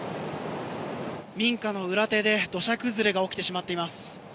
民家の裏手で土砂崩れが起きてしまっています。